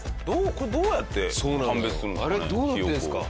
これどうやって判別するんですかね？